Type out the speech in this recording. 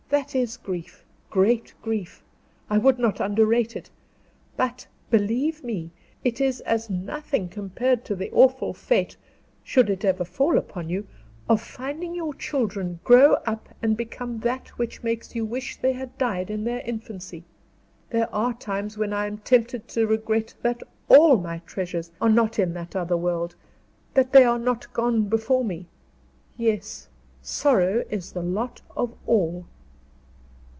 "That is grief great grief; I would not underrate it; but, believe me, it is as nothing compared to the awful fate, should it ever fall upon you, of finding your children grow up and become that which makes you wish they had died in their infancy. There are times when I am tempted to regret that all my treasures are not in that other world; that they had not gone before me. Yes; sorrow is the lot of all."